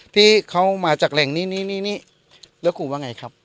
ที่เขามาจากแหล่งนี้นี่แล้วครูว่าไงครับ